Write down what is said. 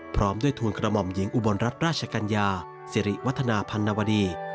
พร้อมด้วยทูลกระหม่อมหญิงอุบลรัฐราชกัญญาสิริวัฒนาพันนวดี